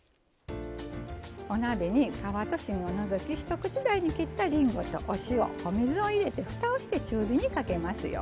お鍋に皮と芯を除き一口大に切ったりんごとお塩お水を入れてふたをして中火にかけますよ。